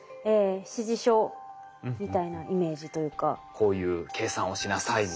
「こういう計算をしなさい」みたいな。